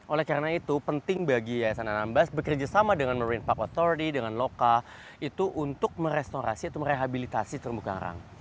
oleh karena itu penting bagi yayasan anambas bekerja sama dengan marine park authority dengan loka itu untuk merestorasi atau merehabilitasi terumbu karang